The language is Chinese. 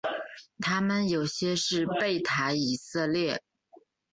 他们有些是贝塔以色列。